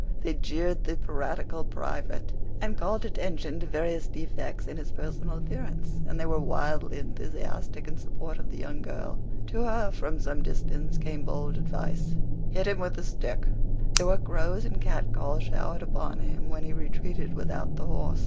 They jeered the piratical private, and called attention to various defects in his personal appearance; and they were wildly enthusiastic in support of the young girl. To her, from some distance, came bold advice. "Hit him with a stick." There were crows and catcalls showered upon him when he retreated without the horse.